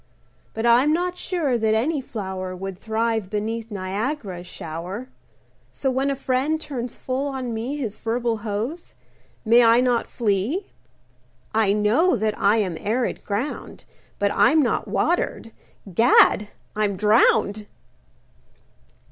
But I'm not sure that any flower Would thrive beneath Niagara's shower! So when a friend turns full on me His verbal hose, may I not flee? I know that I am arid ground, But I'm not watered—Gad! I'm drowned!